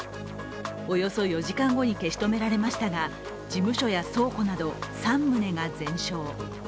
およそ４時間後に消し止められましたが事務所や倉庫など３棟が全焼。